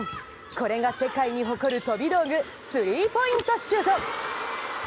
これが世界に誇る飛び道具スリーポイントシュート。